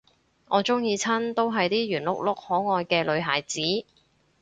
我鍾意親都係啲圓碌碌可愛嘅女孩子